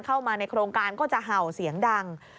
เข้ามาในโครงการก็จะเห่าเสียงดัง